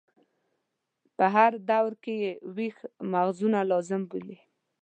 په هر دور کې یې ویښ مغزونه لازم بولي.